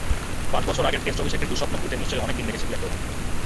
পাঁচ বছর আগের টেস্ট অভিষেকের দুঃস্বপ্ন ভুলতে নিশ্চয়ই অনেক দিন লেগেছে বিরাট কোহলির।